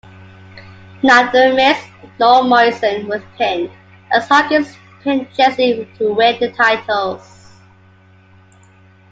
Neither Miz nor Morrison were pinned, as Hawkins pinned Jesse to win the titles.